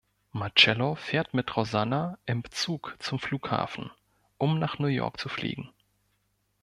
Marcello fährt mit Rosanna im Zug zum Flughafen, um nach New York zu fliegen.